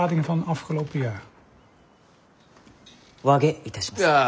和解いたします。